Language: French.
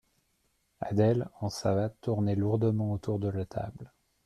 Adèle, en savates, tournait lourdement autour de la table.